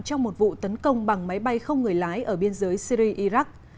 trong một vụ tấn công bằng máy bay không người lái ở biên giới syri iraq